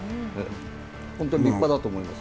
本当に立派だと思います。